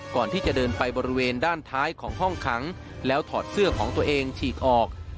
ก่อนที่จะเดินไปบริเวณด้านท้ายของห้องขังแล้วถอดเสื้อของตัวเองฉีกออก